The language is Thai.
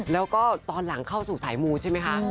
แล้วก็ตอนหลังเข้าสู่สายมูใช่ไหมคะ